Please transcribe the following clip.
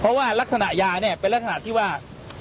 เพราะว่ารักษณะยาเนี่ยเป็นลักษณะที่ว่า